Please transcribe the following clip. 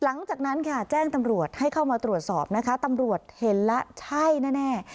หลังจากนั้นค่ะแจ้งตำรวจให้เข้ามาตรวจสอบนะคะตำรวจเห็นแล้วใช่แน่